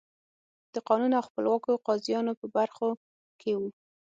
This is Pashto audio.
د قانون او خپلواکو قاضیانو په برخو کې وو.